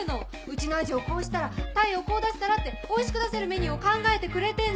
うちのアジをこうしたらタイをこう出したらっておいしく出せるメニューを考えてくれてんの！